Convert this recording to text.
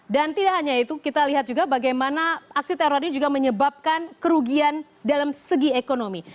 dan tidak hanya itu kita lihat juga bagaimana aksi teror ini juga menyebabkan kerugian dalam segi ekonomi